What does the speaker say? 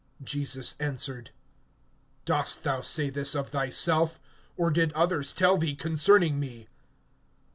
(34)Jesus answered: Dost thou say this of thyself, or did others tell thee concerning me?